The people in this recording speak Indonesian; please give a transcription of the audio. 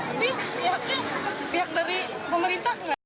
tapi pihaknya pihak dari pemerintah